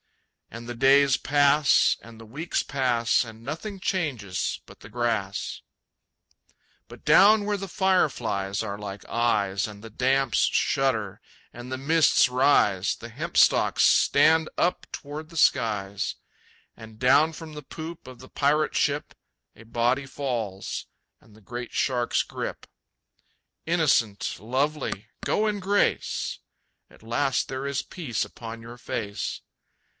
And the days pass, and the weeks pass, And nothing changes but the grass. But down where the fireflies are like eyes, And the damps shudder, and the mists rise, The hemp stalks stand up toward the skies. And down from the poop of the pirate ship A body falls, and the great sharks grip. Innocent, lovely, go in grace! At last there is peace upon your face.